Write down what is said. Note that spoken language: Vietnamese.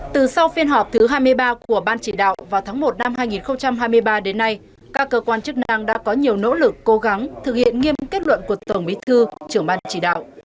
từ sau phiên họp thứ hai mươi ba của ban chỉ đạo vào tháng một năm hai nghìn hai mươi ba đến nay các cơ quan chức năng đã có nhiều nỗ lực cố gắng thực hiện nghiêm kết luận của tổng bí thư trưởng ban chỉ đạo